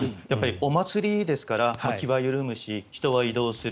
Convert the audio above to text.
お祭りですから、気は緩むし人は移動する。